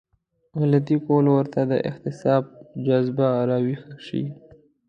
غلطي کول ورته د احتساب جذبه راويښه شي.